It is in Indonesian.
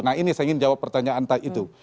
nah ini saya ingin jawab pertanyaan tadi itu